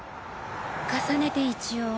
重ねて一応。